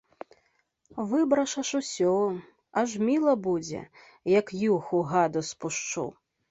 Выбрашаш усё, аж міла будзе, як юху гаду спушчу!